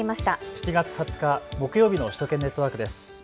７月２０日木曜日の首都圏ネットワークです。